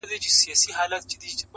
نن رستم د افسانو په سترګو وینم!!